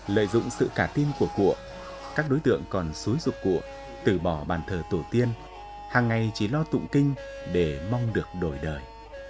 lợi dụng sự cả tin của cụa các đối tượng còn xúi dục cụa từ bỏ bàn thờ tổ tiên hàng ngày chỉ lo tụng kinh để mong được đổi đời